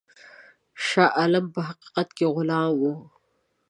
شاه عالم په حقیقت کې غلام وو.